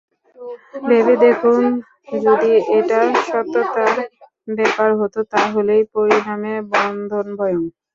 ভেবে দেখুন দেখি যদি এটা সত্যকার ব্যাপার হত তা হলেই পরিণামে বন্ধনভয়ং!